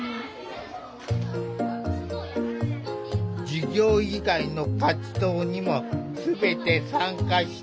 授業以外の活動にもすべて参加している。